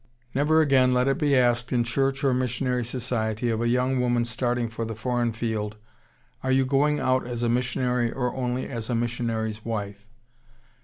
Never again let it be asked in church or missionary society of a young woman starting for the foreign field, "Are you going out as a missionary, or only as a missionary's wife?"